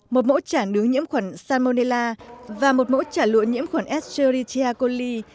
một mẫu chả nướng nhiễm khuẩn salmonella và một mẫu chả lụa nhiễm khuẩn escherichia coli